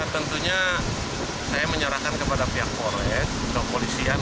tentunya saya menyerahkan kepada pihak polisian